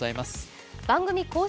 番組公式